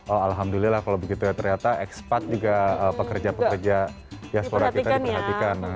oh alhamdulillah kalau begitu ya ternyata ekspat juga pekerja pekerja diaspora kita diperhatikan